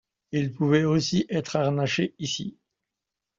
Ils pouvaient aussi être harnachés ici.